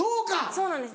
そうなんです。